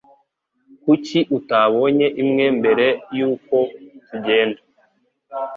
Kuki utabonye imwe mbere yuko tugenda?